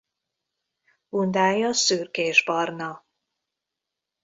Bundája szürkésbarna.